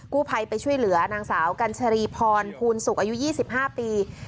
กู้ภัยไปช่วยเหลือนางสาวกัญชรีพรภูลศุกร์อายุ๒๕ปี